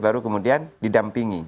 baru kemudian didampingi